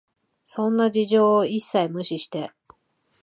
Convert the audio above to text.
そんな事情を一切無視して、